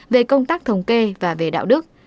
về công tác thống kê và về đạo đức